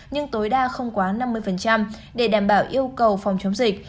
nhưng tối đa không quá năm mươi để đảm bảo yêu cầu phòng chống dịch